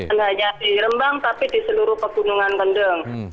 tidak hanya di rembang tapi di seluruh pegunungan kendeng